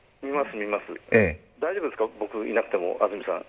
大丈夫ですか、僕いなくても安住さん。